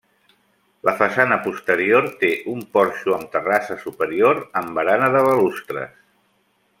La façana posterior té un porxo amb terrassa superior amb barana de balustres.